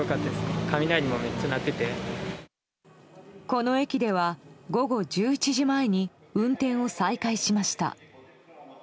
この駅では午後１１時前に運転を再開しました。